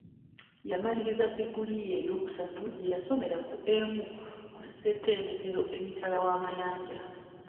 Yamaliriza ddiguli ye eyokusatu gye yasomera ku emu ku ssetendekero emitala w'amayanja.